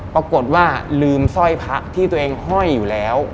ปรากฏว่าลืมสร้อยพระที่ตัวเองห้อยอยู่แล้ว